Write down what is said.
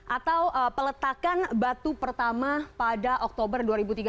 atau peletakan batu pertama pada oktober dua ribu tiga belas